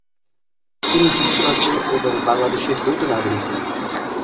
তিনি যুক্তরাজ্য এবং বাংলাদেশের দ্বৈত নাগরিক।